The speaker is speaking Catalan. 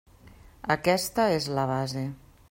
Aquesta és la base.